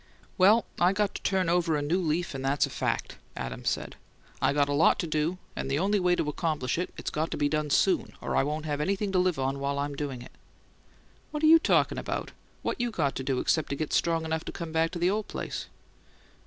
"Well, I got to turn over a new leaf, and that's a fact," Adams said. "I got a lot to do, and the only way to accomplish it, it's got to be done soon, or I won't have anything to live on while I'm doing it." "What you talkin' about? What you got to do except to get strong enough to come back to the old place?"